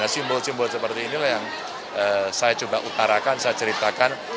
simbol simbol seperti inilah yang saya coba utarakan saya ceritakan